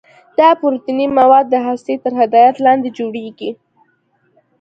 دا پروتیني مواد د هستې تر هدایت لاندې جوړیږي.